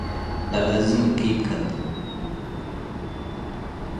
ለለአዝም እኪት ከድም፣